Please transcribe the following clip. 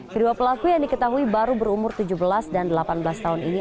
kedua pelaku yang diketahui baru berumur tujuh belas dan delapan belas tahun ini